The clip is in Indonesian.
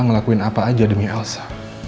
ngelakuin apa aja demi elsa